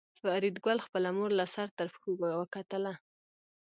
فریدګل خپله مور له سر تر پښو وکتله